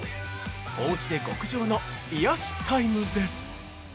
おうちで極上の癒しタイムです